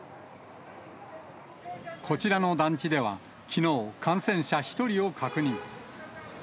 こちらの団地では、きのう、感染者１人を確認。